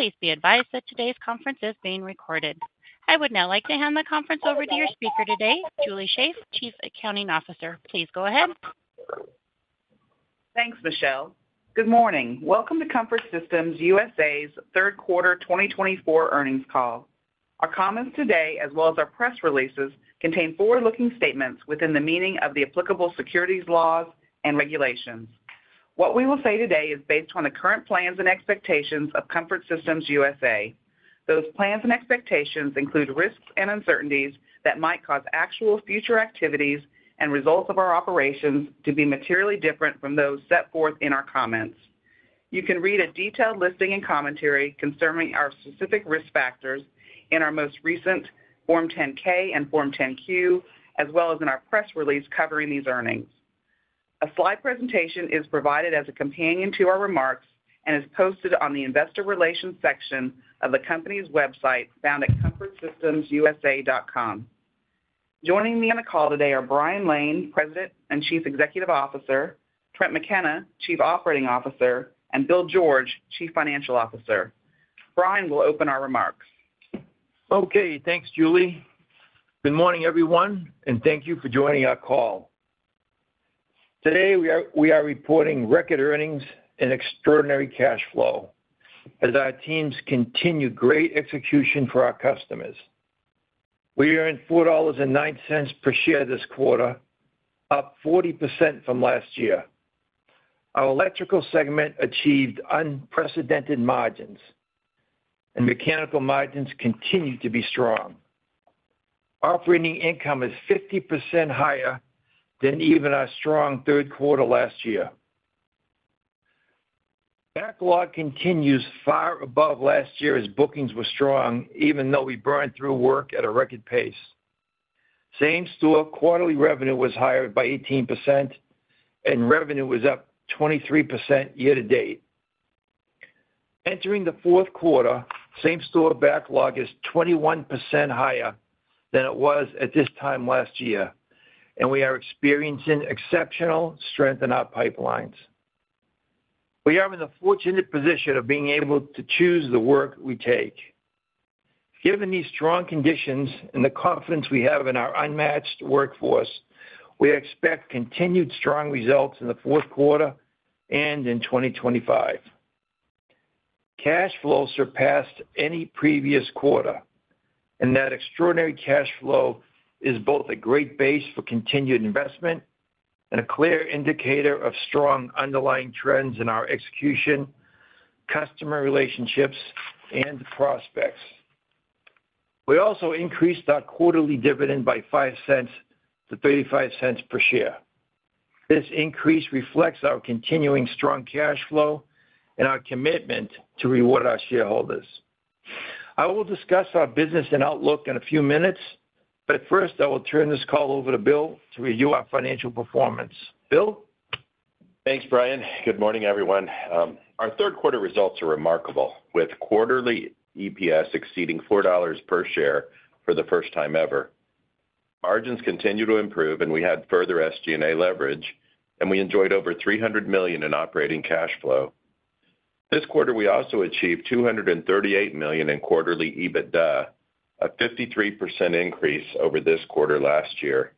Please be advised that today's conference is being recorded. I would now like to hand the conference over to your speaker today, Julie Shaeff, Chief Accounting Officer. Please go ahead. Thanks, Michelle. Good morning. Welcome to Comfort Systems USA's third quarter twenty twenty-four earnings call. Our comments today, as well as our press releases, contain forward-looking statements within the meaning of the applicable securities, laws, and regulations. What we will say today is based on the current plans and expectations of Comfort Systems USA. Those plans and expectations include risks and uncertainties that might cause actual future activities and results of our operations to be materially different from those set forth in our comments. You can read a detailed listing and commentary concerning our specific risk factors in our most recent Form 10-K and Form 10-Q, as well as in our press release covering these earnings. A slide presentation is provided as a companion to our remarks and is posted on the Investor Relations section of the company's website, found at comfortsystemsusa.com. Joining me on the call today are Brian Lane, President and Chief Executive Officer, Trent McKenna, Chief Operating Officer, and Bill George, Chief Financial Officer. Brian will open our remarks. Okay, thanks, Julie. Good morning, everyone, and thank you for joining our call. Today, we are reporting record earnings and extraordinary cash flow as our teams continue great execution for our customers. We earned $4.09 per share this quarter, up 40% from last year. Our electrical segment achieved unprecedented margins, and mechanical margins continue to be strong. Operating income is 50% higher than even our strong third quarter last year. Backlog continues far above last year as bookings were strong, even though we burned through work at a record pace. Same-store quarterly revenue was higher by 18%, and revenue was up 23% year to date. Entering the fourth quarter, same-store backlog is 21% higher than it was at this time last year, and we are experiencing exceptional strength in our pipelines. We are in the fortunate position of being able to choose the work we take. Given these strong conditions and the confidence we have in our unmatched workforce, we expect continued strong results in the fourth quarter and in twenty twenty-five. Cash flow surpassed any previous quarter, and that extraordinary cash flow is both a great base for continued investment and a clear indicator of strong underlying trends in our execution, customer relationships, and prospects. We also increased our quarterly dividend by $0.05 to $0.35 per share. This increase reflects our continuing strong cash flow and our commitment to reward our shareholders. I will discuss our business and outlook in a few minutes, but first, I will turn this call over to Bill to review our financial performance. Bill? Thanks, Brian. Good morning, everyone. Our third quarter results are remarkable, with quarterly EPS exceeding $4 per share for the first time ever. Margins continue to improve, and we had further SG&A leverage, and we enjoyed over $300 million in operating cash flow. This quarter, we also achieved $238 million in quarterly EBITDA, a 53% increase over this quarter last year.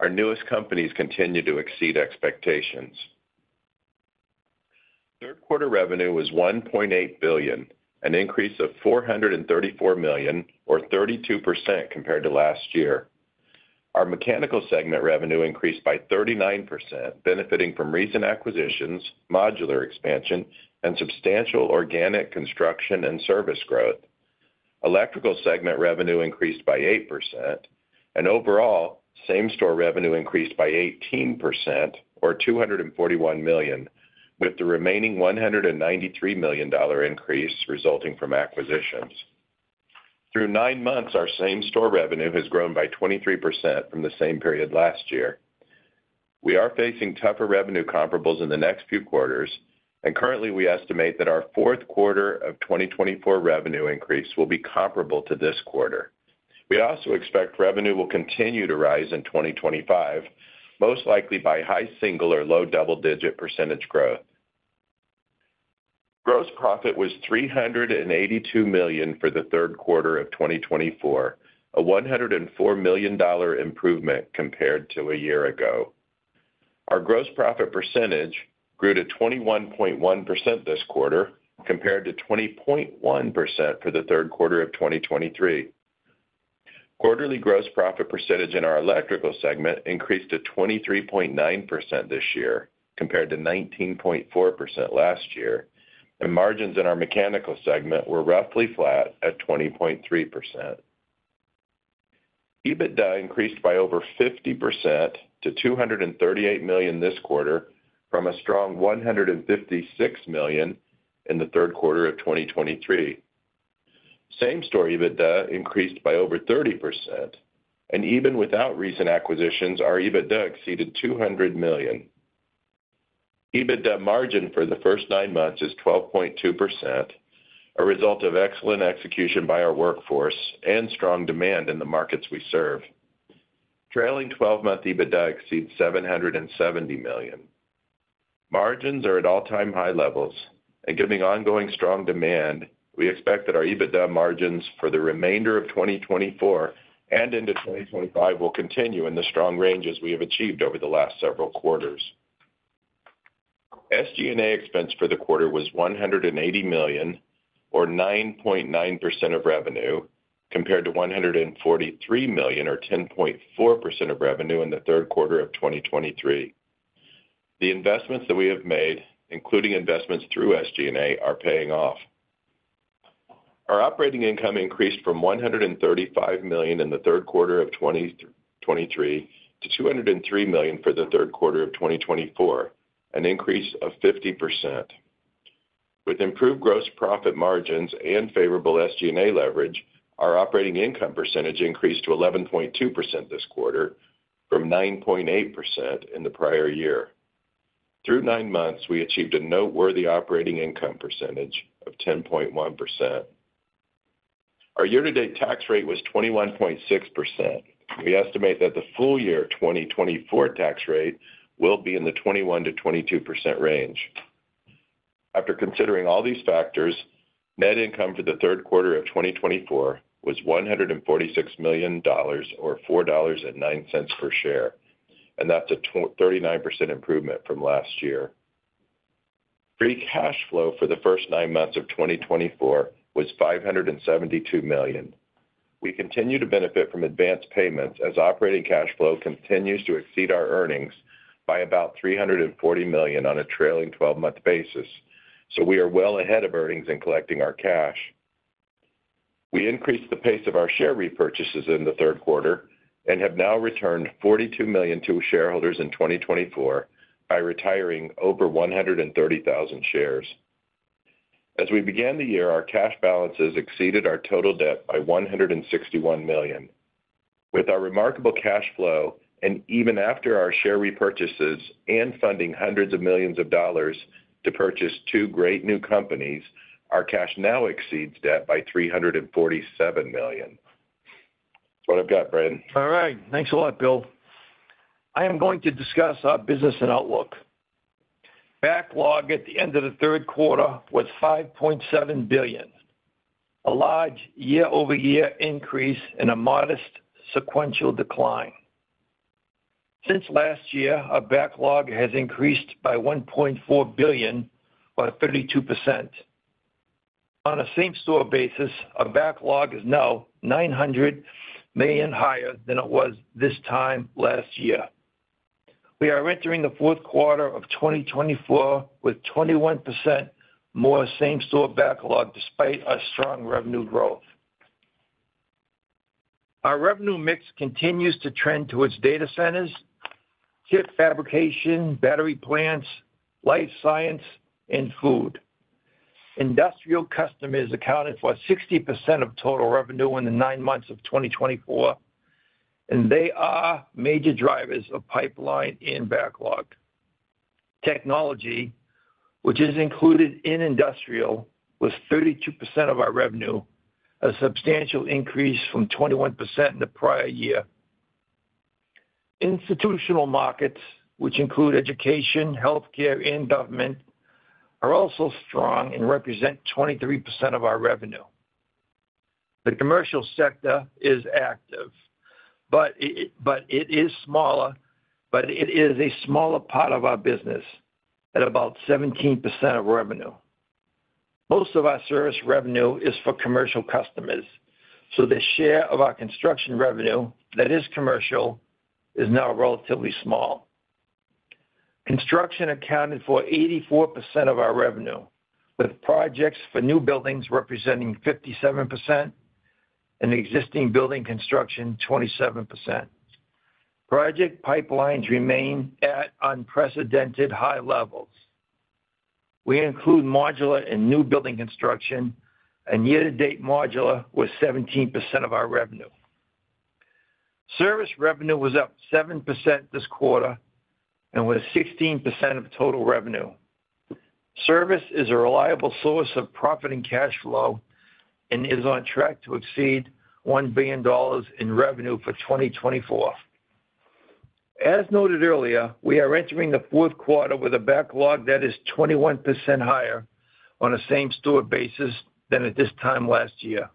Our newest companies continue to exceed expectations. Third quarter revenue was $1.8 billion, an increase of $434 million, or 32% compared to last year. Our mechanical segment revenue increased by 39%, benefiting from recent acquisitions, modular expansion, and substantial organic construction and service growth. Electrical segment revenue increased by 8%, and overall, same-store revenue increased by 18% or $241 million, with the remaining $193 million dollar increase resulting from acquisitions. Through nine months, our same-store revenue has grown by 23% from the same period last year. We are facing tougher revenue comparables in the next few quarters, and currently, we estimate that our fourth quarter of 2024 revenue increase will be comparable to this quarter. We also expect revenue will continue to rise in 2025, most likely by high single- or low double-digit % growth. Gross profit was $382 million for the third quarter of 2024, a $104 million dollar improvement compared to a year ago. Our gross profit percentage grew to 21.1% this quarter, compared to 20.1% for the third quarter of 2023. Quarterly gross profit percentage in our electrical segment increased to 23.9% this year, compared to 19.4% last year, and margins in our mechanical segment were roughly flat at 20.3%. EBITDA increased by over 50% to $238 million this quarter from a strong $156 million in the third quarter of 2023. Same-store EBITDA increased by over 30%, and even without recent acquisitions, our EBITDA exceeded $200 million. EBITDA margin for the first nine months is 12.2%, a result of excellent execution by our workforce and strong demand in the markets we serve. Trailing 12-month EBITDA exceeds $770 million. Margins are at all-time high levels, and given ongoing strong demand, we expect that our EBITDA margins for the remainder of 2024 and into 2025 will continue in the strong ranges we have achieved over the last several quarters. SG&A expense for the quarter was $180 million, or 9.9% of revenue, compared to $143 million or 10.4% of revenue in the third quarter of 2023. The investments that we have made, including investments through SG&A, are paying off. Our operating income increased from $135 million in the third quarter of 2023 to $203 million for the third quarter of 2024, an increase of 50%. With improved gross profit margins and favorable SG&A leverage, our operating income percentage increased to 11.2% this quarter from 9.8% in the prior year. Through nine months, we achieved a noteworthy operating income percentage of 10.1%. Our year-to-date tax rate was 21.6%. We estimate that the full year 2024 tax rate will be in the 21% to 22% range. After considering all these factors, net income for the third quarter of 2024 was $146 million or $4.09 per share, and that's a twenty-nine percent improvement from last year. Free cash flow for the first nine months of 2024 was $572 million. We continue to benefit from advanced payments as operating cash flow continues to exceed our earnings by about $340 million on a trailing 12-month basis, so we are well ahead of earnings in collecting our cash. We increased the pace of our share repurchases in the third quarter and have now returned $42 million to shareholders in 2024 by retiring over 130,000 shares. As we began the year, our cash balances exceeded our total debt by $161 million. With our remarkable cash flow, and even after our share repurchases and funding hundreds of millions of dollars to purchase two great new companies, our cash now exceeds debt by $347 million. That's what I've got, Brian. All right. Thanks a lot, Bill. I am going to discuss our business and outlook. Backlog at the end of the third quarter was $5.7 billion, a large year-over-year increase and a modest sequential decline. Since last year, our backlog has increased by $1.4 billion, 32%. On a same-store basis, our backlog is now $900 million higher than it was this time last year. We are entering the fourth quarter of 2024 with 21% more same-store backlog, despite our strong revenue growth. Our revenue mix continues to trend towards data centers, chip fabrication, battery plants, life science, and food. Industrial customers accounted for 60% of total revenue in the nine months of 2024, and they are major drivers of pipeline and backlog. Technology, which is included in industrial, was 32% of our revenue, a substantial increase from 21% in the prior year. Institutional markets, which include education, healthcare, and government, are also strong and represent 23% of our revenue. The commercial sector is active, but it is smaller, but it is a smaller part of our business at about 17% of revenue. Most of our service revenue is for commercial customers, so the share of our construction revenue that is commercial is now relatively small. Construction accounted for 84% of our revenue, with projects for new buildings representing 57% and existing building construction, 27%. Project pipelines remain at unprecedented high levels. We include modular and new building construction, and year-to-date, modular was 17% of our revenue. Service revenue was up 7% this quarter and was 16% of total revenue. Service is a reliable source of profit and cash flow and is on track to exceed $1 billion in revenue for 2024. As noted earlier, we are entering the fourth quarter with a backlog that is 21% higher on a same-store basis than at this time last year,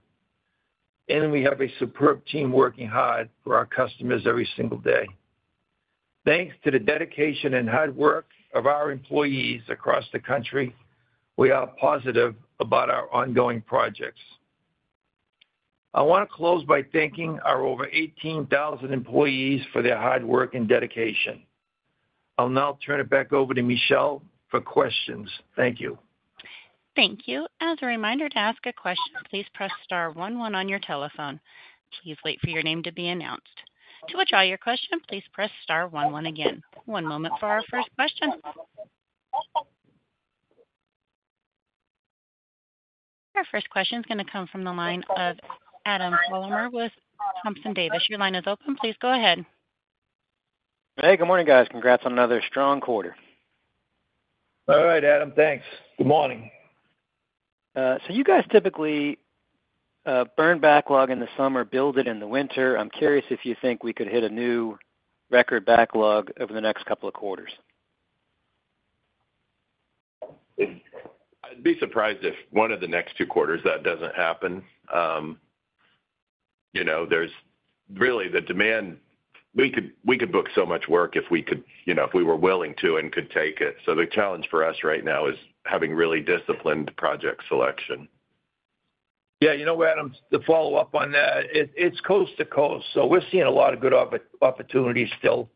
and we have a superb team working hard for our customers every single day. Thanks to the dedication and hard work of our employees across the country, we are positive about our ongoing projects. I want to close by thanking our over 18,000 employees for their hard work and dedication. I'll now turn it back over to Michelle for questions. Thank you. Thank you. As a reminder, to ask a question, please press star one one on your telephone. Please wait for your name to be announced. To withdraw your question, please press star one one again. One moment for our first question. Our first question is gonna come from the line of Adam Thalhimer with Thompson Davis. Your line is open. Please go ahead. Hey, good morning, guys. Congrats on another strong quarter. All right, Adam, thanks. Good morning. So you guys typically burn backlog in the summer, build it in the winter. I'm curious if you think we could hit a new record backlog over the next couple of quarters? I'd be surprised if one of the next two quarters that doesn't happen. You know, there's really the demand. We could book so much work if we could, you know, if we were willing to and could take it. So the challenge for us right now is having really disciplined project selection. Yeah, you know, Adam, to follow up on that, it's coast to coast, so we're seeing a lot of good opportunities still,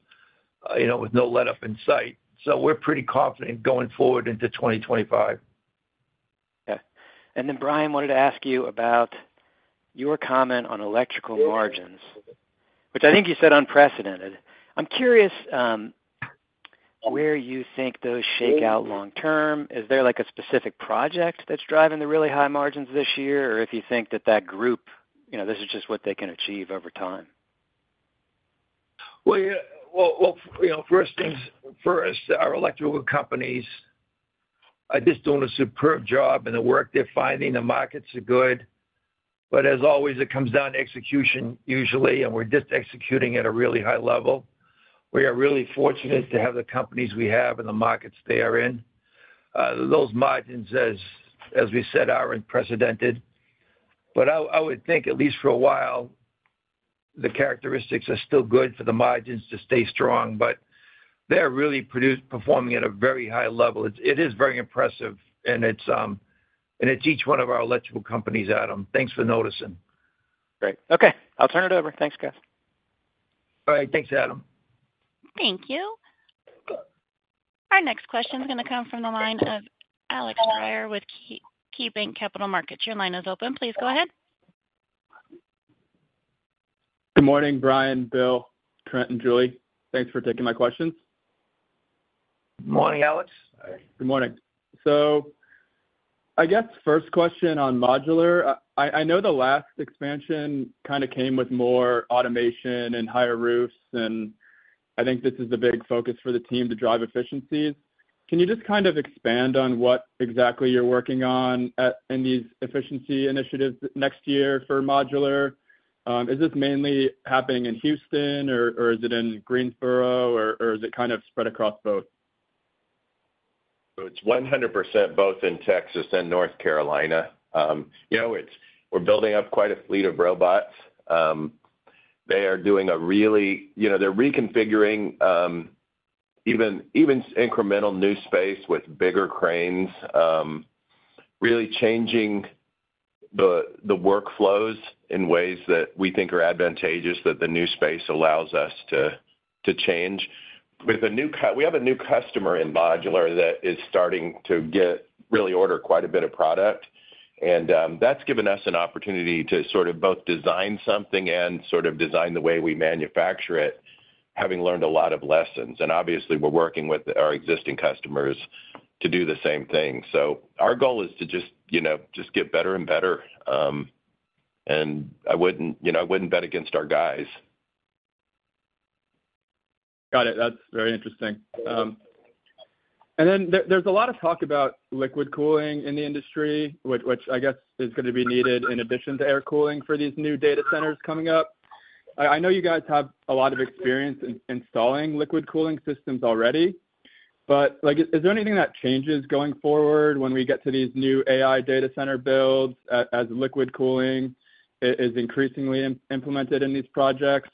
you know, with no letup in sight. So we're pretty confident going forward into 2025. Yeah. And then, Brian, wanted to ask you about your comment on electrical margins, which I think you said unprecedented. I'm curious where you think those shake out long term. Is there, like, a specific project that's driving the really high margins this year? Or if you think that that group, you know, this is just what they can achieve over time? Yeah, you know, first things first, our electrical companies are just doing a superb job, and the work they're finding, the markets are good. But as always, it comes down to execution, usually, and we're just executing at a really high level. We are really fortunate to have the companies we have and the markets they are in. Those margins, as we said, are unprecedented. But I would think, at least for a while, the characteristics are still good for the margins to stay strong, but they're really performing at a very high level. It is very impressive, and it's each one of our electrical companies, Adam. Thanks for noticing. Great. Okay, I'll turn it over. Thanks, guys. All right, thanks, Adam. Thank you. Our next question is gonna come from the line of Alex Dwyer with KeyBanc Capital Markets. Your line is open. Please go ahead. Good morning, Brian, Bill, Trent, and Julie. Thanks for taking my questions. Good morning, Alex. Hi. Good morning. So I guess first question on modular. I know the last expansion kind of came with more automation and higher roofs, and I think this is a big focus for the team to drive efficiencies. Can you just kind of expand on what exactly you're working on in these efficiency initiatives next year for modular? Is this mainly happening in Houston, or is it in Greensboro, or is it kind of spread across both? So it's 100% both in Texas and North Carolina. You know, it's. We're building up quite a fleet of robots. They are doing a really. You know, they're reconfiguring even incremental new space with bigger cranes, really changing the workflows in ways that we think are advantageous, that the new space allows us to change. We have a new customer in modular that is starting to really order quite a bit of product, and that's given us an opportunity to sort of both design something and sort of design the way we manufacture it, having learned a lot of lessons, and obviously, we're working with our existing customers to do the same thing. So our goal is to just, you know, just get better and better, and I wouldn't, you know, I wouldn't bet against our guys. Got it. That's very interesting. And then there's a lot of talk about liquid cooling in the industry, which I guess is gonna be needed in addition to air cooling for these new data centers coming up. I know you guys have a lot of experience in installing liquid cooling systems already, but, like, is there anything that changes going forward when we get to these new AI data center builds as liquid cooling is increasingly implemented in these projects?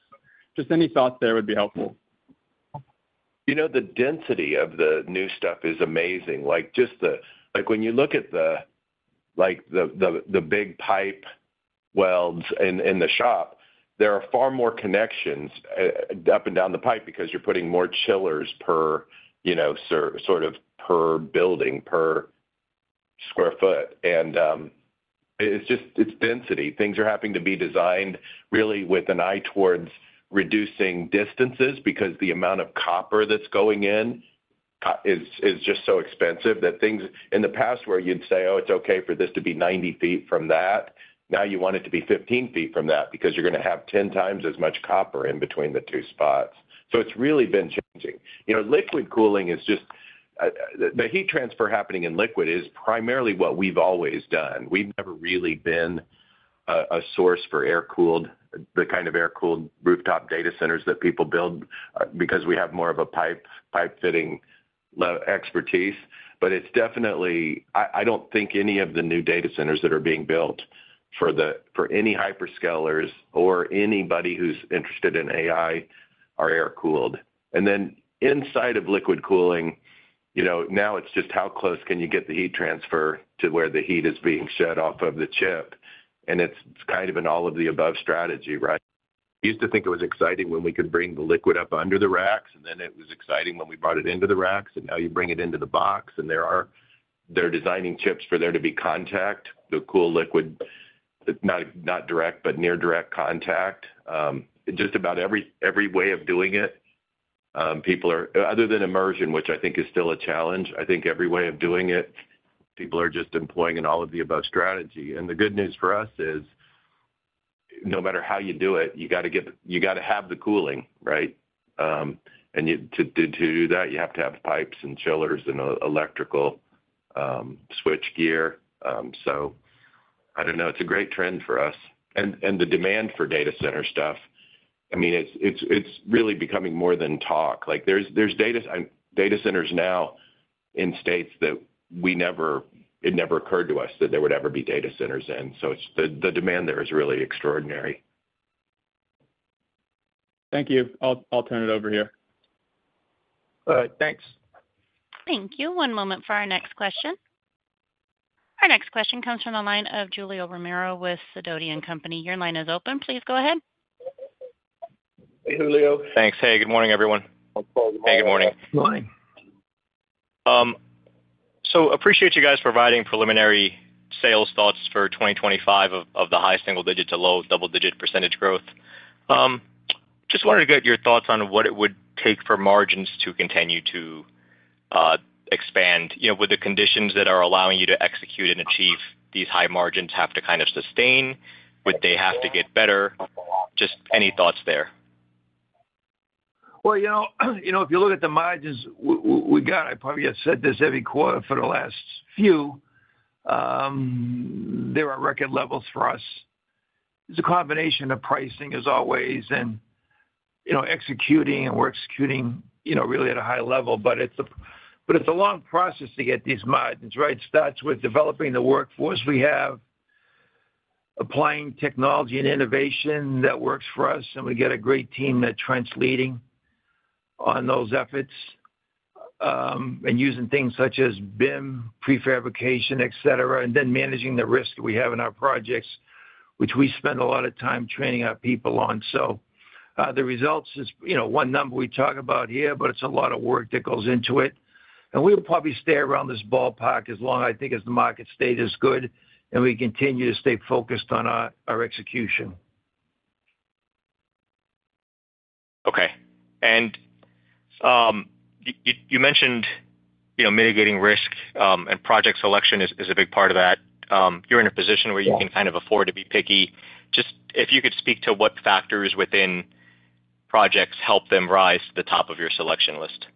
Just any thoughts there would be helpful. You know, the density of the new stuff is amazing. Like, just the like, when you look at the big pipe welds in the shop, there are far more connections up and down the pipe because you're putting more chillers per, you know, sort of per building, per square foot. And it's just density. Things are having to be designed really with an eye towards reducing distances because the amount of copper that's going in is just so expensive that things. In the past where you'd say, "Oh, it's okay for this to be 90 feet from that," now you want it to be 15 feet from that, because you're gonna have 10 times as much copper in between the two spots. So it's really been changing. You know, liquid cooling is just, the heat transfer happening in liquid is primarily what we've always done. We've never really been a source for air-cooled, the kind of air-cooled rooftop data centers that people build, because we have more of a pipe fitting expertise. But it's definitely... I don't think any of the new data centers that are being built for any hyperscalers or anybody who's interested in AI are air-cooled. And then inside of liquid cooling, you know, now it's just how close can you get the heat transfer to where the heat is being shed off of the chip? And it's, kind of, an all-of-the-above strategy, right? We used to think it was exciting when we could bring the liquid up under the racks, and then it was exciting when we brought it into the racks, and now you bring it into the box, and they're designing chips for there to be contact, the cool liquid, not direct, but near direct contact. Just about every way of doing it, people are, other than immersion, which I think is still a challenge, I think every way of doing it, people are just employing an all-of-the-above strategy. And the good news for us is, no matter how you do it, you gotta have the cooling, right? And you, to do that, you have to have pipes and chillers and electrical switchgear. So I don't know. It's a great trend for us. The demand for data center stuff, I mean, it's really becoming more than talk. Like, there's data, and data centers now in states that we never thought there would ever be data centers in. So the demand there is really extraordinary. Thank you. I'll turn it over here. All right, thanks. Thank you. One moment for our next question. Our next question comes from the line of Julio Romero with Sidoti & Company. Your line is open. Please go ahead. Hey, Julio. Thanks. Hey, good morning, everyone. Good morning. So appreciate you guys providing preliminary sales thoughts for 2025 of the high single-digit to low double-digit % growth. Just wanted to get your thoughts on what it would take for margins to continue to expand. You know, would the conditions that are allowing you to execute and achieve these high margins have to kind of sustain? Would they have to get better? Just any thoughts there? You know, you know, if you look at the margins we got, I probably have said this every quarter for the last few, they're at record levels for us. It's a combination of pricing, as always, and, you know, executing, and we're executing, you know, really at a high level. But it's a, but it's a long process to get these margins, right? It starts with developing the workforce we have, applying technology and innovation that works for us, and we get a great team that Trent's leading on those efforts, and using things such as BIM, prefabrication, et cetera, and then managing the risk we have in our projects, which we spend a lot of time training our people on. So, the results is, you know, one number we talk about here, but it's a lot of work that goes into it. And we'll probably stay around this ballpark as long, I think, as the market stayed as good, and we continue to stay focused on our execution. Okay. And, you mentioned, you know, mitigating risk, and project selection is a big part of that. You're in a position where you can kind of afford to be picky. Just if you could speak to what factors within projects help them rise to the top of your selection list.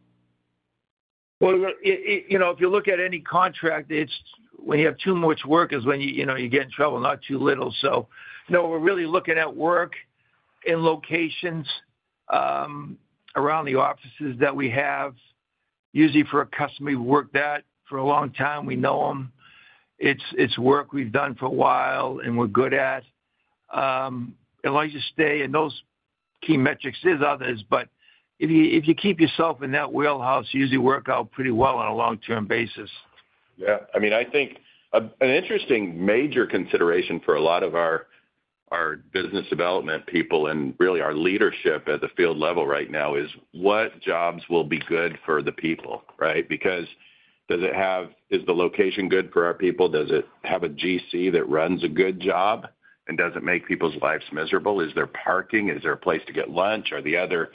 You know, if you look at any contract, it's when you have too much work is when, you know, you get in trouble, not too little. So no, we're really looking at work in locations around the offices that we have, usually for a customer we've worked at for a long time, we know them. It's work we've done for a while and we're good at. As long as you stay in those key metrics, there's others, but if you keep yourself in that wheelhouse, you usually work out pretty well on a long-term basis. Yeah. I mean, I think an interesting major consideration for a lot of our business development people and really our leadership at the field level right now is what jobs will be good for the people, right? Because is the location good for our people? Does it have a GC that runs a good job and doesn't make people's lives miserable? Is there parking? Is there a place to get lunch? Are the other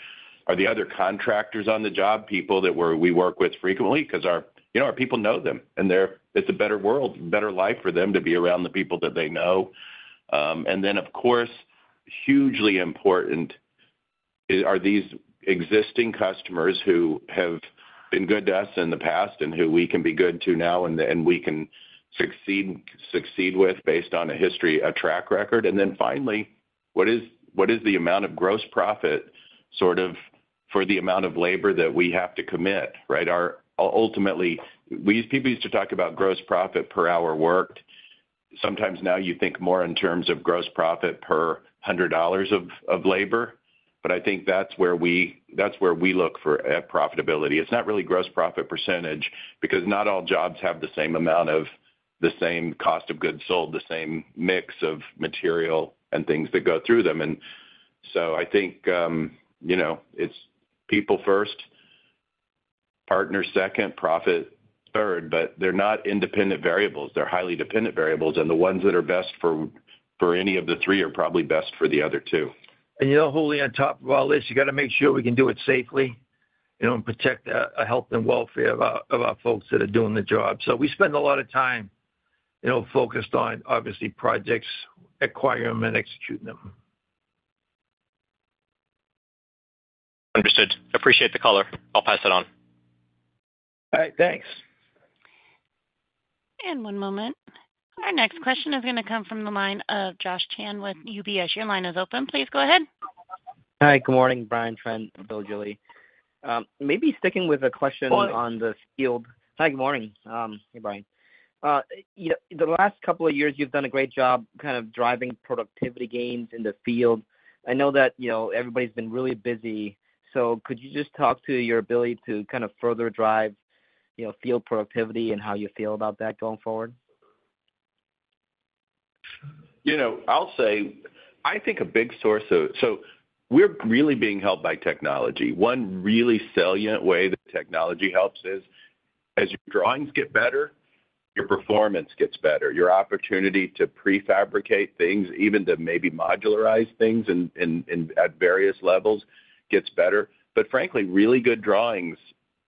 contractors on the job, people that we work with frequently? 'Cause, you know, our people know them, and it's a better world, better life for them to be around the people that they know. And then, of course, hugely important is, are these existing customers who have been good to us in the past and who we can be good to now, and we can succeed with based on a history, a track record? And then finally, what is the amount of gross profit, sort of, for the amount of labor that we have to commit, right? Ultimately, people used to talk about gross profit per hour worked. Sometimes now you think more in terms of gross profit per hundred dollars of labor, but I think that's where we look at profitability. It's not really gross profit percentage, because not all jobs have the same amount of the same cost of goods sold, the same mix of material and things that go through them. And so I think, you know, it's people first, partner second, profit third, but they're not independent variables. They're highly dependent variables, and the ones that are best for any of the three are probably best for the other two. You know, Julio, on top of all this, you gotta make sure we can do it safely, you know, and protect the health and welfare of our folks that are doing the job. So we spend a lot of time, you know, focused on, obviously, projects, acquiring them and executing them. Understood. Appreciate the color. I'll pass it on. All right, thanks. One moment. Our next question is gonna come from the line of Josh Chan with UBS. Your line is open. Please go ahead. Hi, good morning, Brian, Trent, Bill, Julie. Maybe sticking with a question- Morning. Hi, good morning. Hey, Brian. The last couple of years, you've done a great job kind of driving productivity gains in the field. I know that, you know, everybody's been really busy. So could you just talk to your ability to kind of further drive, you know, field productivity and how you feel about that going forward? You know, I'll say. So we're really being helped by technology. One really salient way that technology helps is, as your drawings get better, your performance gets better. Your opportunity to prefabricate things, even to maybe modularize things in at various levels, gets better. But frankly, really good drawings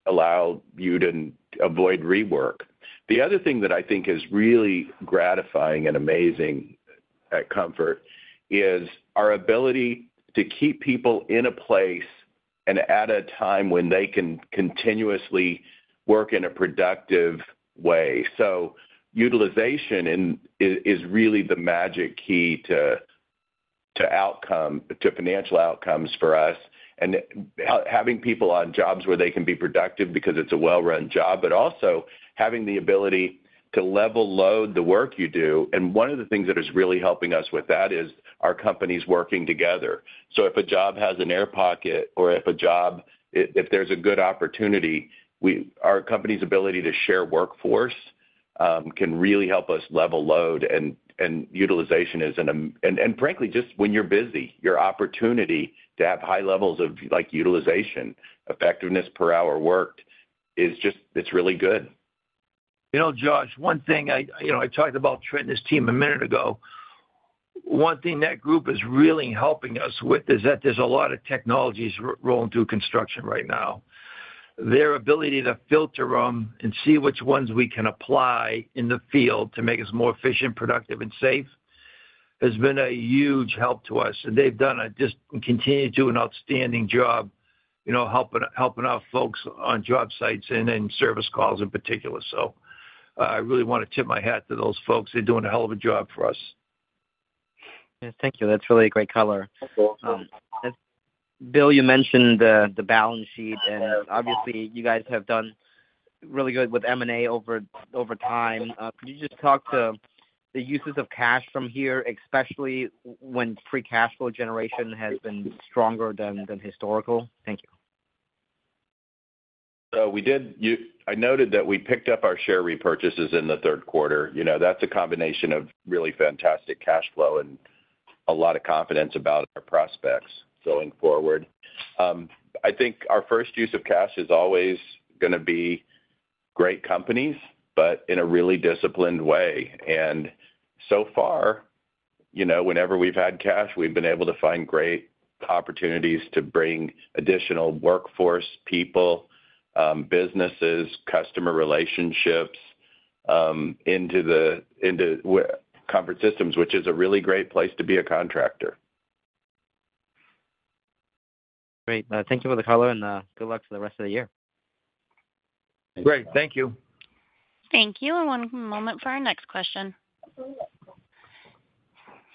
allow you to avoid rework. The other thing that I think is really gratifying and amazing at Comfort is our ability to keep people in a place and at a time when they can continuously work in a productive way. So utilization is really the magic key to outcome, to financial outcomes for us, and having people on jobs where they can be productive because it's a well-run job, but also having the ability to level load the work you do. One of the things that is really helping us with that is our companies working together. If a job has an air pocket or if there's a good opportunity, our company's ability to share workforce can really help us level load and utilization. Frankly, just when you're busy, your opportunity to have high levels of, like, utilization, effectiveness per hour worked, is just - it's really good. You know, Josh, one thing I, you know, I talked about Trent and his team a minute ago. One thing that group is really helping us with is that there's a lot of technologies rolling through construction right now. Their ability to filter them and see which ones we can apply in the field to make us more efficient, productive, and safe, has been a huge help to us, and they've done a just continue to do an outstanding job, you know, helping our folks on job sites and in service calls in particular. So, I really want to tip my hat to those folks. They're doing a hell of a job for us. Yes, thank you. That's really a great color. Bill, you mentioned the balance sheet, and obviously, you guys have done really good with M&A over time. Can you just talk to the uses of cash from here, especially when free cash flow generation has been stronger than historical? Thank you. So we did. I noted that we picked up our share repurchases in the third quarter. You know, that's a combination of really fantastic cash flow and a lot of confidence about our prospects going forward. I think our first use of cash is always gonna be great companies, but in a really disciplined way. And so far, you know, whenever we've had cash, we've been able to find great opportunities to bring additional workforce, people, businesses, customer relationships into Comfort Systems, which is a really great place to be a contractor. Great. Thank you for the color, and good luck for the rest of the year. Great. Thank you. Thank you. One moment for our next question.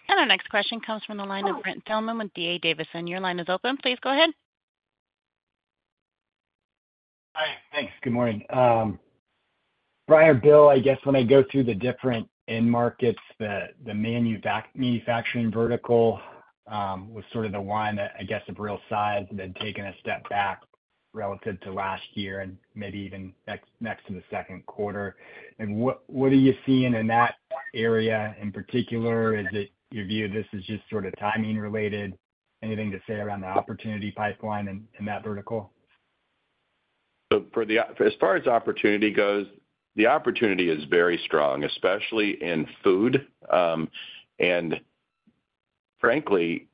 And our next question comes from the line of Brent Thielman with D.A. Davidson. Your line is open. Please go ahead. Hi, thanks. Good morning. Brian, Bill, I guess when I go through the different end markets, the manufacturing vertical was sort of the one that, I guess, of real size, had been taking a step back relative to last year and maybe even next to the second quarter. And what are you seeing in that area in particular? Is it your view this is just sort of timing related? Anything to say around the opportunity pipeline in that vertical? So, as far as opportunity goes, the opportunity is very strong, especially in food, and frankly,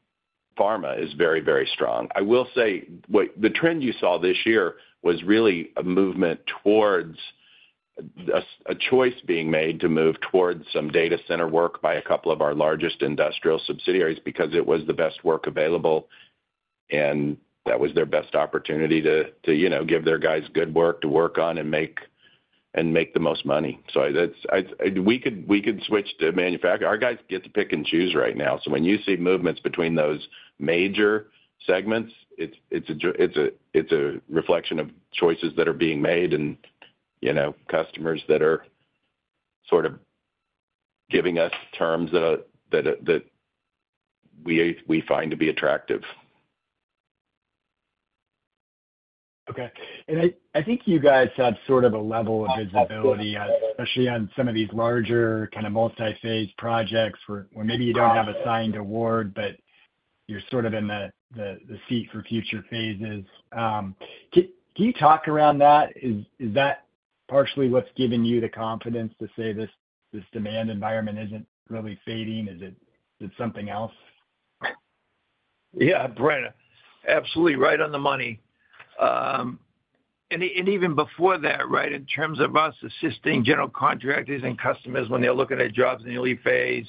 pharma is very, very strong. I will say, the trend you saw this year was really a movement towards a choice being made to move towards some data center work by a couple of our largest industrial subsidiaries because it was the best work available, and that was their best opportunity to you know give their guys good work to work on and make the most money. So that's. We could switch to manufacturing. Our guys get to pick and choose right now. So when you see movements between those major segments, it's a reflection of choices that are being made and, you know, customers that are sort of giving us terms that we find to be attractive. Okay. And I think you guys have sort of a level of visibility, especially on some of these larger kind of multi-phase projects where maybe you don't have a signed award, but you're sort of in the seat for future phases. Can you talk around that? Is that partially what's giving you the confidence to say this demand environment isn't really fading? Is it something else? Yeah, Brent, absolutely right on the money. And even before that, right, in terms of us assisting general contractors and customers when they're looking at jobs in the early phase,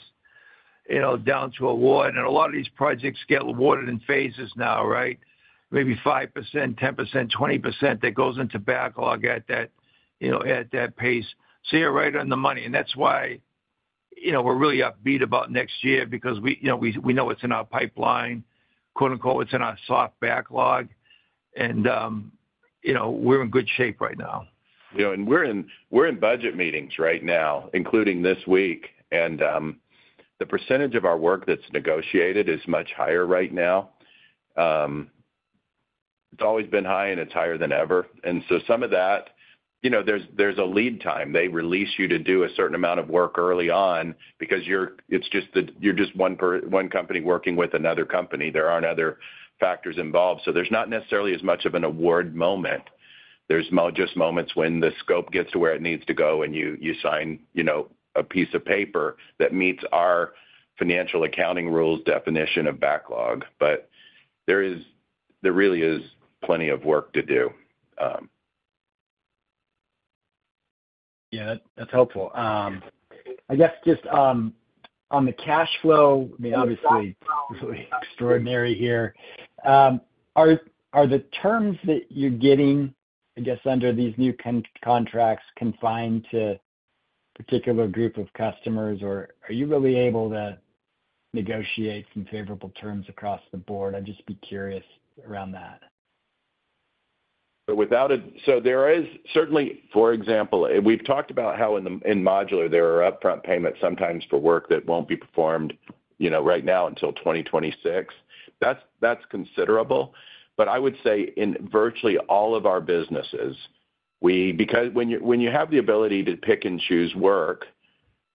you know, down to award, and a lot of these projects get awarded in phases now, right? Maybe 5%, 10%, 20%, that goes into backlog at that, you know, at that pace. So you're right on the money, and that's why, you know, we're really upbeat about next year because we, you know, we know it's in our pipeline, quote, unquote, "It's in our soft backlog," and, you know, we're in good shape right now. You know, and we're in budget meetings right now, including this week, and the percentage of our work that's negotiated is much higher right now. It's always been high, and it's higher than ever. And so some of that, you know, there's a lead time. They release you to do a certain amount of work early on because it's just that you're just one company working with another company. There aren't other factors involved. So there's not necessarily as much of an award moment. There's just moments when the scope gets to where it needs to go, and you sign, you know, a piece of paper that meets our financial accounting rules definition of backlog. But there really is plenty of work to do. Yeah, that's, that's helpful. I guess just on the cash flow, I mean, obviously, this is extraordinary here. Are the terms that you're getting, I guess, under these new contracts confined to particular group of customers? Or are you really able to negotiate some favorable terms across the board? I'd just be curious around that. But without a so there is certainly, for example, we've talked about how in modular, there are upfront payments sometimes for work that won't be performed, you know, right now until 2026. That's, that's considerable, but I would say in virtually all of our businesses, because when you, when you have the ability to pick and choose work,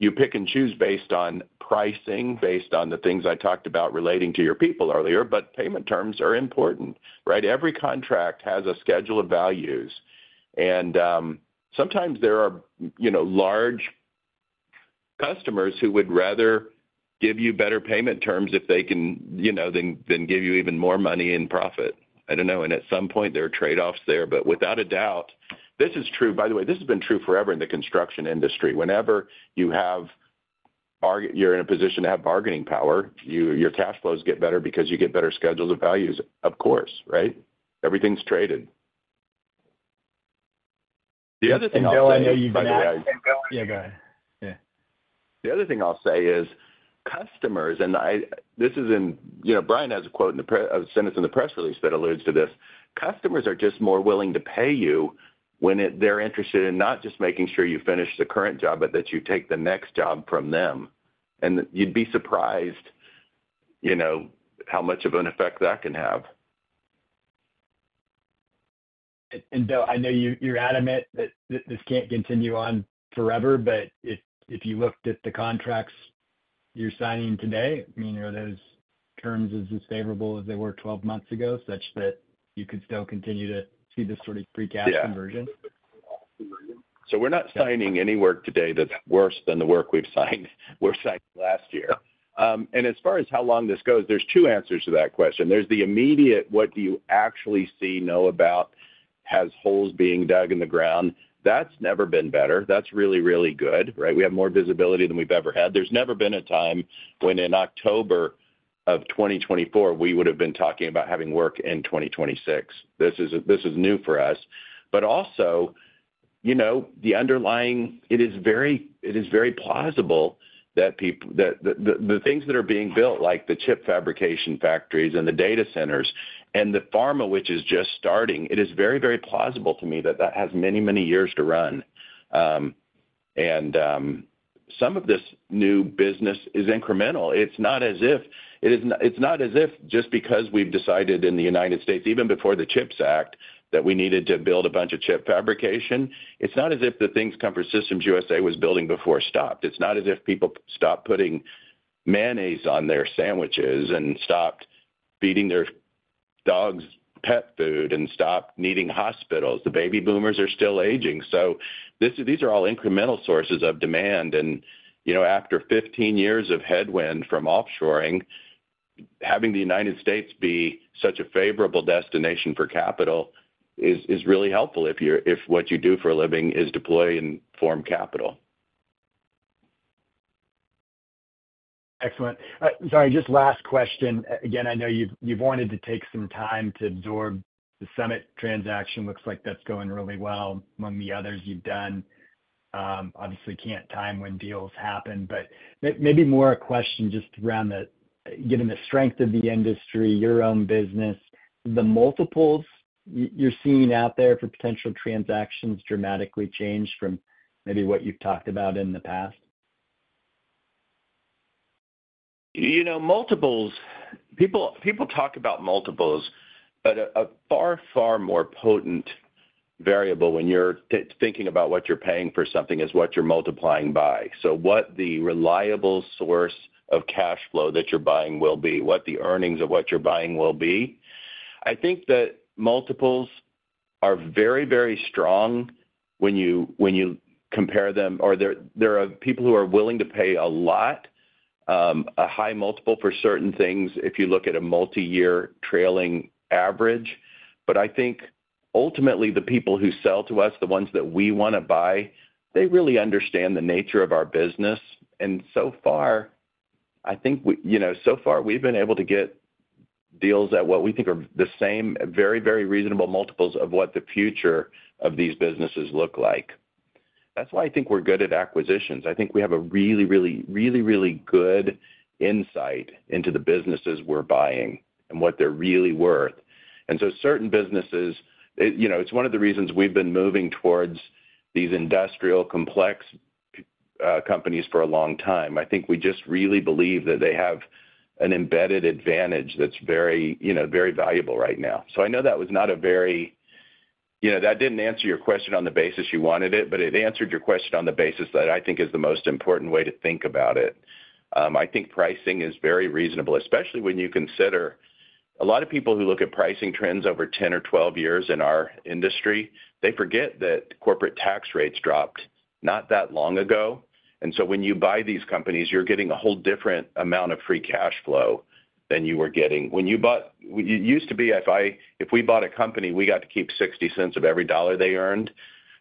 you pick and choose based on pricing, based on the things I talked about relating to your people earlier, but payment terms are important, right? Every contract has a schedule of values, and sometimes there are, you know, large customers who would rather give you better payment terms if they can, you know, than, than give you even more money in profit. I don't know, and at some point, there are trade-offs there, but without a doubt, this is true. By the way, this has been true forever in the construction industry. Whenever you're in a position to have bargaining power, your cash flows get better because you get better schedules of values, of course, right? Everything's traded. The other thing I'll say- And Bill, I know you can add. Yeah, go ahead. Yeah. The other thing I'll say is customers, and you know, Brian has a quote in the PR, a sentence in the press release that alludes to this. Customers are just more willing to pay you when they're interested in not just making sure you finish the current job, but that you take the next job from them, and you'd be surprised, you know, how much of an effect that can have. And Bill, I know you're adamant that this can't continue on forever, but if you looked at the contracts you're signing today, I mean, are those terms as favorable as they were twelve months ago, such that you could still continue to see this sort of free cash conversion? Yeah. So we're not signing any work today that's worse than the work we've signed last year. And as far as how long this goes, there's two answers to that question. There's the immediate, what do you actually see, know about, has holes being dug in the ground? That's never been better. That's really, really good, right? We have more visibility than we've ever had. There's never been a time when in October of twenty twenty-four, we would've been talking about having work in twenty twenty-six. This is, this is new for us. But also, you know, the underlying... It is very plausible that the things that are being built, like the chip fabrication factories and the data centers and the pharma, which is just starting, it is very plausible to me that that has many years to run. And some of this new business is incremental. It's not as if, just because we've decided in the United States, even before the CHIPS Act, that we needed to build a bunch of chip fabrication. It's not as if the things Comfort Systems USA was building before stopped. It's not as if people stopped putting mayonnaise on their sandwiches and stopped feeding their dogs pet food and stopped needing hospitals. The baby boomers are still aging, so these are all incremental sources of demand. You know, after 15 years of headwind from offshoring, having the United States be such a favorable destination for capital is really helpful if what you do for a living is deploy and form capital. Excellent. Sorry, just last question. Again, I know you've wanted to take some time to absorb the Summit transaction. Looks like that's going really well among the others you've done. Obviously, can't time when deals happen, but maybe more a question just around the, given the strength of the industry, your own business, the multiples you're seeing out there for potential transactions dramatically change from maybe what you've talked about in the past? You know, multiples, people talk about multiples, but a far, far more potent variable when you're thinking about what you're paying for something is what you're multiplying by. So what the reliable source of cash flow that you're buying will be, what the earnings of what you're buying will be. I think that multiples are very, very strong when you compare them, or there are people who are willing to pay a lot, a high multiple for certain things if you look at a multi-year trailing average. But I think ultimately, the people who sell to us, the ones that we want to buy, they really understand the nature of our business, and so far, I think we, you know, so far, we've been able to get deals at what we think are the same, very, very reasonable multiples of what the future of these businesses look like. That's why I think we're good at acquisitions. I think we have a really, really, really, really good insight into the businesses we're buying and what they're really worth. And so certain businesses, it, you know, it's one of the reasons we've been moving towards these industrial complex companies for a long time. I think we just really believe that they have an embedded advantage that's very, you know, very valuable right now. So I know that was not a very... You know, that didn't answer your question on the basis you wanted it, but it answered your question on the basis that I think is the most important way to think about it. I think pricing is very reasonable, especially when you consider a lot of people who look at pricing trends over 10 or 12 years in our industry, they forget that corporate tax rates dropped... not that long ago, and so when you buy these companies, you're getting a whole different amount of free cash flow than you were getting when you bought. It used to be, if we bought a company, we got to keep 60 cents of every dollar they earned.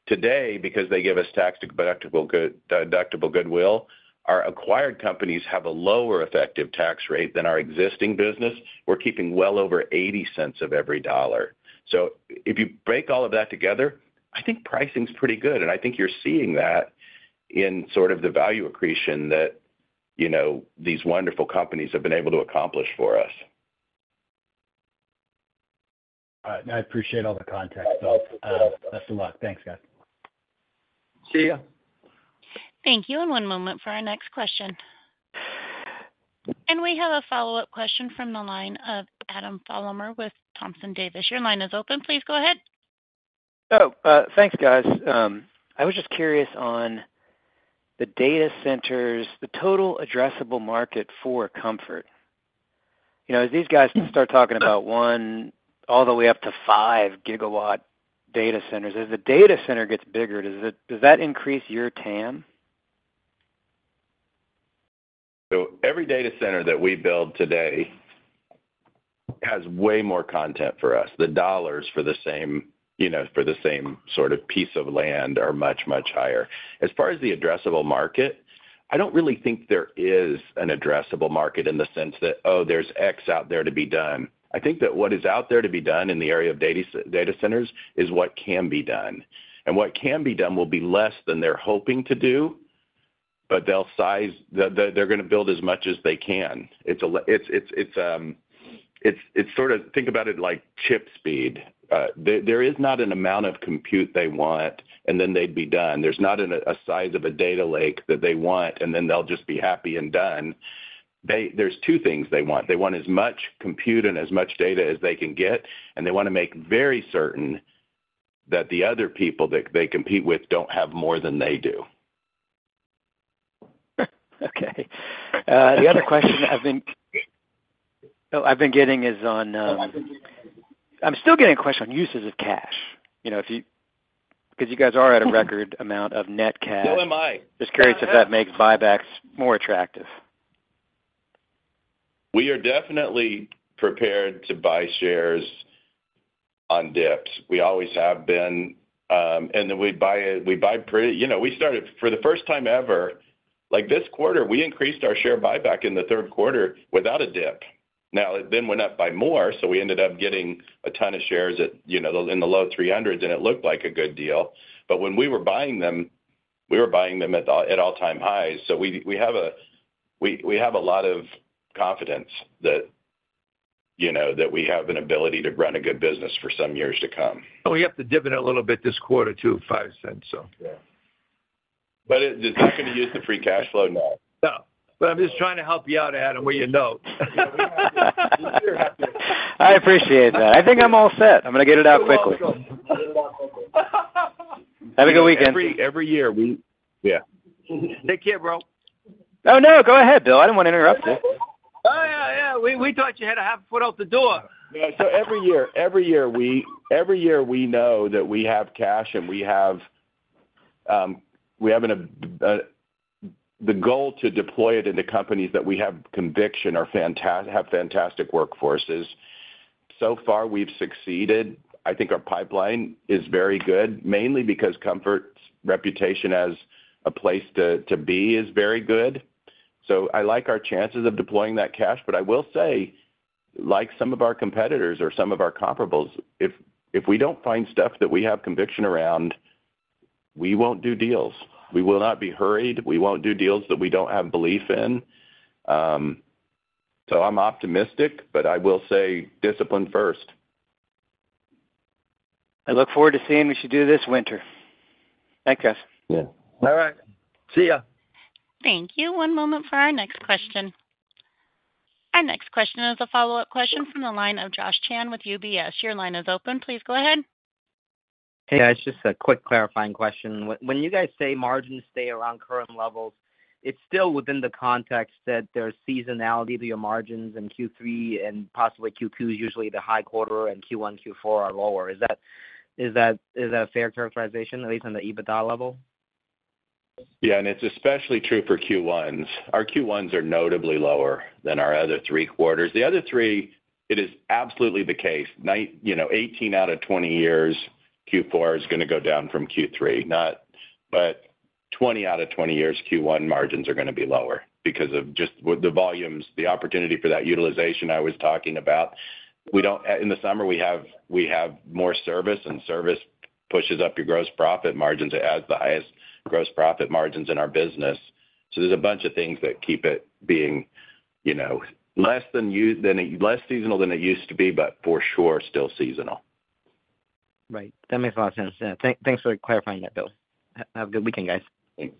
Today, because they give us tax-deductible goodwill, our acquired companies have a lower effective tax rate than our existing business. We're keeping well over 80 cents of every dollar. So if you break all of that together, I think pricing's pretty good, and I think you're seeing that in sort of the value accretion that, you know, these wonderful companies have been able to accomplish for us. All right. I appreciate all the context. So, best of luck. Thanks, guys. See you. Thank you. One moment for our next question, and we have a follow-up question from the line of Adam Thalhimer with Thompson Davis. Your line is open. Please go ahead. Oh, thanks, guys. I was just curious on the data centers, the total addressable market for Comfort. You know, as these guys start talking about one all the way up to five gigawatt data centers, as the data center gets bigger, does that increase your TAM? So every data center that we build today has way more content for us. The dollars for the same, you know, for the same sort of piece of land are much, much higher. As far as the addressable market, I don't really think there is an addressable market in the sense that, oh, there's X out there to be done. I think that what is out there to be done in the area of data centers is what can be done. And what can be done will be less than they're hoping to do, but they'll size. They, they're gonna build as much as they can. It's sort of think about it like chip speed. There is not an amount of compute they want, and then they'd be done. There's not a size of a data lake that they want, and then they'll just be happy and done. They... There's two things they want. They want as much compute and as much data as they can get, and they want to make very certain that the other people that they compete with don't have more than they do. Okay. The other question I've been getting is on. I'm still getting a question on uses of cash. You know, if you, because you guys are at a record amount of net cash. So am I. Just curious if that makes buybacks more attractive? We are definitely prepared to buy shares on dips. We always have been, and then we buy pretty... You know, we started, for the first time ever, like, this quarter, we increased our share buyback in the third quarter without a dip. Now, it then went up by more, so we ended up getting a ton of shares at, you know, in the low three hundreds, and it looked like a good deal. But when we were buying them, we were buying them at all-time highs. So we have a lot of confidence that, you know, that we have an ability to run a good business for some years to come. We upped the dividend a little bit this quarter, too, $0.05. Yeah. But it, it's not gonna use the free cash flow now. No, but I'm just trying to help you out, Adam, with your notes. I appreciate that. I think I'm all set. I'm gonna get it out quickly. Have a good weekend. Every year, we... Yeah. Take care, bro. Oh, no, go ahead, Bill. I didn't want to interrupt you. Oh, yeah, yeah. We, we thought you had a half foot out the door. Yeah, so every year, we know that we have cash, and we have the goal to deploy it into companies that we have conviction are have fantastic workforces. So far, we've succeeded. I think our pipeline is very good, mainly because Comfort's reputation as a place to be is very good. So I like our chances of deploying that cash, but I will say, like some of our competitors or some of our comparables, if we don't find stuff that we have conviction around, we won't do deals. We will not be hurried. We won't do deals that we don't have belief in. So I'm optimistic, but I will say discipline first. I look forward to seeing what you do this winter. Thanks, guys. Yeah. All right. See ya. Thank you. One moment for our next question. Our next question is a follow-up question from the line of Josh Chan with UBS. Your line is open. Please go ahead. Hey, guys, just a quick clarifying question. When you guys say margins stay around current levels, it's still within the context that there's seasonality to your margins in Q3 and possibly Q2, usually the high quarter, and Q1, Q4 are lower. Is that a fair characterization, at least on the EBITDA level? Yeah, and it's especially true for Q1s. Our Q1s are notably lower than our other three quarters. The other three, it is absolutely the case. You know, 18 out of 20 years, Q4 is gonna go down from Q3. But 20 out of 20 years, Q1 margins are gonna be lower because of just what the volumes, the opportunity for that utilization I was talking about. In the summer, we have more service, and service pushes up your gross profit margins. It has the highest gross profit margins in our business. So there's a bunch of things that keep it being, you know, less seasonal than it used to be, but for sure, still seasonal. Right. That makes a lot of sense. Yeah, thanks for clarifying that, Bill. Have a good weekend, guys. Thanks.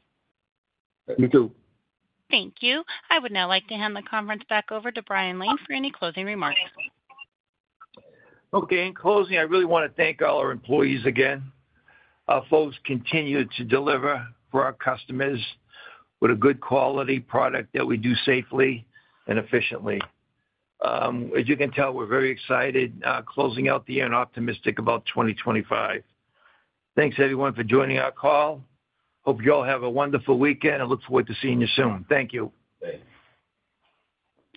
You, too. Thank you. I would now like to hand the conference back over to Brian Lane for any closing remarks. Okay. In closing, I really want to thank all our employees again. Our folks continue to deliver for our customers with a good quality product that we do safely and efficiently. As you can tell, we're very excited closing out the year and optimistic about twenty twenty-five. Thanks, everyone, for joining our call. Hope you all have a wonderful weekend, and look forward to seeing you soon. Thank you. Thanks.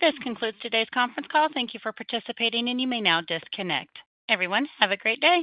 This concludes today's conference call. Thank you for participating, and you may now disconnect. Everyone, have a great day.